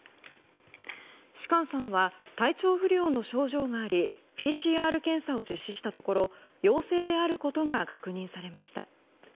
芝翫さんは体調不良の症状がありＰＣＲ検査を実施したところ陽性であることが確認されました。